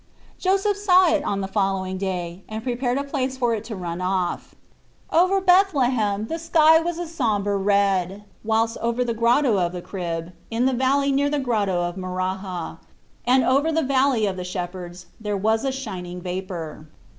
Joseph saw it on the following day and prepared a place for it to run off. Over Bethlehem the sky was of a sombre red, whilst over the Grotto of the Crib, in Jesus Cbrtst. 8 9 the valley near the Grotto of Maraha, and over the Valley of the Shepherds there was a shining vapour.